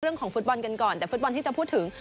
เรื่องของฟุตบอลกันก่อนแต่ฟุตบอลที่จะพูดถึง